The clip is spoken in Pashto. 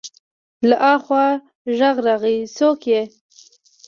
له اخوا غږ راغی: څوک يې؟